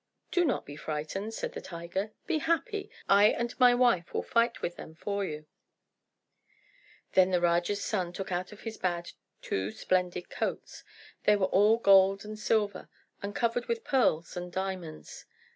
"Do not be frightened," said the tiger. "Be happy. I and my wife will fight with them for you." Then the Raja's son took out of his bag two splendid coats. They were all gold and silver, and covered with pearls and diamonds.